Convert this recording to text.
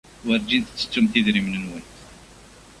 Werjin tettettumt idrimen-nwent.